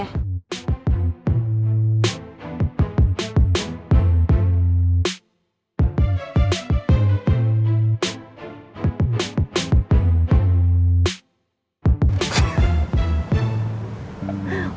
bukan gue yang beli minuman